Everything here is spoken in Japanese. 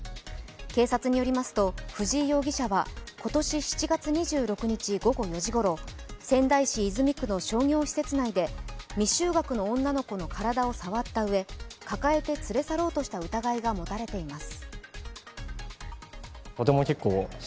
警察によりますと藤井容疑者は今年７月２６日午後４時ごろ、仙台市泉区の商業施設内で、未就学の女の子の体を触ったうえ、抱えて連れ去ろうとした疑いが持たれています